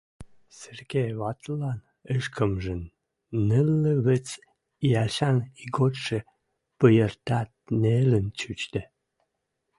Серге вӓтӹлӓн ӹшкӹмжӹн нӹллӹ вӹц иӓшӓн иготшы пыйыртат нелӹн чучде.